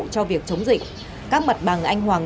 cho việc chống dịch các mặt bằng anh hoàng